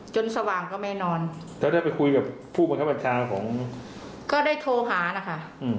จนสว่างก็ไม่นอนเธอได้ไปคุยกับผู้บัญชาแบบชาวของก็ได้โทรหานะคะอืม